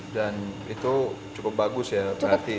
dan itu cukup bagus ya berarti